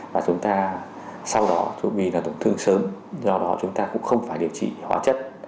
và chúng ta sau đó chuẩn bị tổn thương sớm do đó chúng ta cũng không phải điều trị hóa chất